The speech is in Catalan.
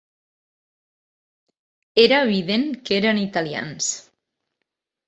Era evident que eren italians